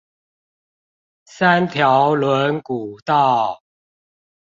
三條崙古道